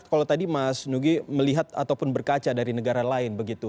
kalau tadi mas nugi melihat ataupun berkaca dari negara lain begitu